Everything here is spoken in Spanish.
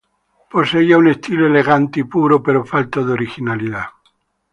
Poseía un estilo elegante y puro pero falto de originalidad.